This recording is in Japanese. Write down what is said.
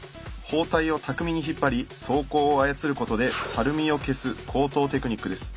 包帯をたくみに引っ張り走行を操ることでたるみを消す高等テクニックです。